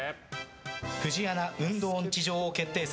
「フジアナ運動音痴女王決定戦」